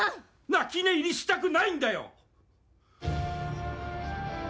泣き寝入りしたくないんだよ！